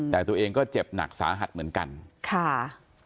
แต่ตัวเองก็เจ็บหนักสาหัสเหมือนกันค่ะ